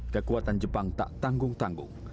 kekuatan jepang tak tanggung tanggung